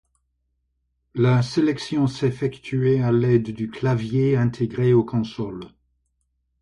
La sélection s'effectuait à l'aide du clavier intégré aux consoles.